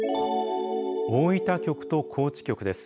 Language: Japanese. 大分局と高知局です。